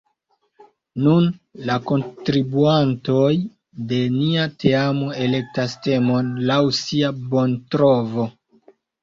Nun la kontribuantoj de nia teamo elektas temon laŭ sia bontrovo.